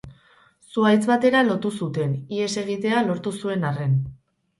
Zuhaitz batera lotu zuten, ihes egitea lortu zuen arren.